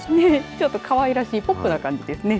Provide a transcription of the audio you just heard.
ちょっとかわいらしいポップな感じですね。